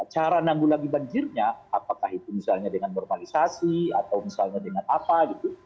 cara nanggulangi banjirnya apakah itu misalnya dengan normalisasi atau misalnya dengan apa gitu